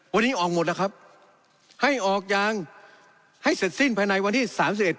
วันนี้ออกหมดแล้วครับให้ออกยางให้เสร็จสิ้นภายในวันที่สามสิบเอ็